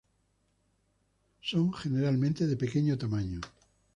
Son generalmente de pequeño tamaño.